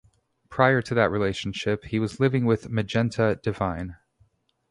Prior to that relationship, he was living with Magenta Devine.